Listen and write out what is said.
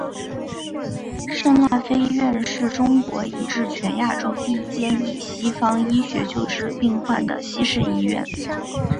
圣辣非医院是中国以至全亚洲第一间以西方医学救治病患的西式医院。